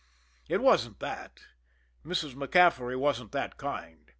It wasn't that Mrs. MacCaffery wasn't that kind.